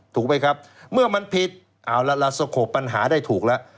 ถูกไหมครับเมื่อมันผิดเอาล่ะเราสงบปัญหาได้ถูกแล้ว